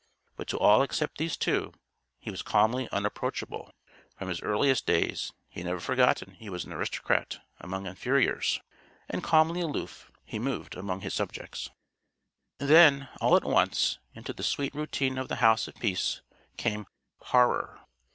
But to all except these two, he was calmly unapproachable. From his earliest days he had never forgotten he was an aristocrat among inferiors. And, calmly aloof, he moved among his subjects. Then, all at once, into the sweet routine of the House of Peace, came Horror.